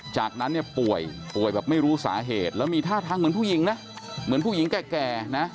จากนั้นเนี่ยป่วยป่วยแบบไม่รู้สาเหตุแล้วมีท่าทางเหมือนผู้หญิงนะเหมือนผู้หญิงแก่นะ